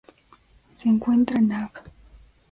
Se encuentra en Av.